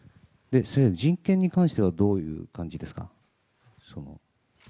人権に対してはどういう感じですか？